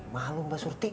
malu mbak surti